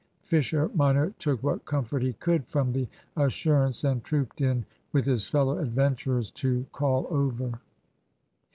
Fisher minor took what comfort he could from the assurance, and trooped in with his fellow adventurers to call over.